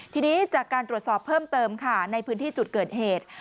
ทีนี้จากการตรวจสอบเพิ่มเติมค่ะในพื้นที่จุดเกิดเหตุ